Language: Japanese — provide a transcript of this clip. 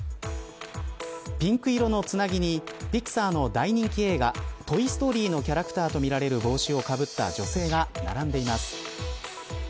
ピンク色のつなぎにピクサーの大人気映画トイ・ストーリーのキャラクターとみられる帽子をかぶった女性が並んでいます。